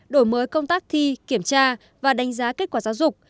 đổi mới công tác thi kiểm tra và đánh giá kết quả giáo dục